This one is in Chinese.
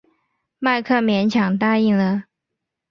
迈克勉强答应了。